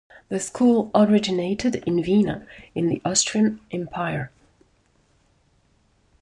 The school originated in Vienna, in the Austrian Empire.